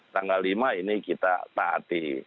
tanggal lima ini kita taati